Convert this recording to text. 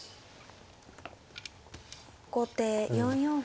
後手４四歩。